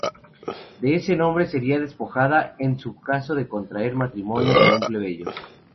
De ese nombre sería despojada en caso de contraer matrimonio con un plebeyo.